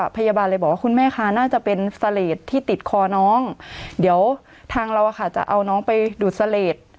พยาบาลเลยบอกว่าคุณแม่คะน่าจะเป็นเสลดที่ติดคอน้องเดี๋ยวทางเราจะเอาน้องไปดูดเสลด